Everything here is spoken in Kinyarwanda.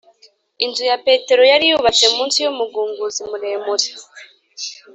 inzu ya petero yari yubatse munsi y'umugunguzi muremure;